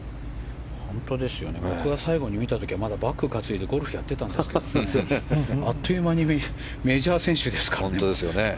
僕が最後に見た時はまだバッグを担いでゴルフをやってたんですがあっという間にメジャー選手ですから。